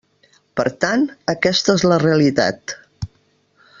Per tant, aquesta és la realitat.